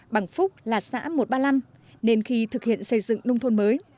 bằng phúc là xã một trăm ba mươi năm nên khi thực hiện xây dựng nông thôn mới